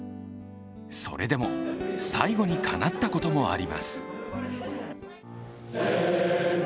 それでも最後にかなったこともあります。